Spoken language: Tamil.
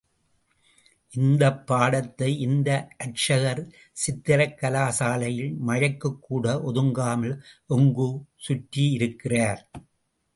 இந்தப் பாடத்தை இந்த அர்ச்சகர் சித்திரக் கலாசாலையில் மழைக்குக் கூட ஒதுங்காமல் எங்கோ கற்றிருக்கிறார்.